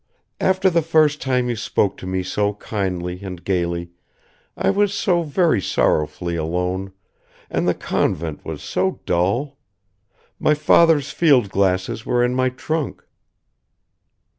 After the first time you spoke to me so kindly and gayly I was so very sorrowfully alone and the convent was so dull! My father's field glasses were in my trunk."